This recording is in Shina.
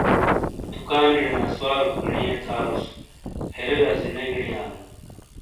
دُکانیڑے نسواروک گینی آے تھالوس فیرے رزی نے گینی آلو۔